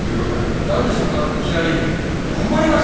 何でそんないきなり困りますよ！